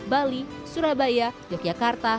bali surabaya yogyakarta